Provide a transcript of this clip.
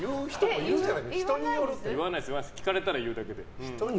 聞かれたら言うだけで。